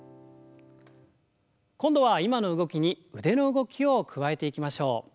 今度は今の動きに腕の動きを加えていきましょう。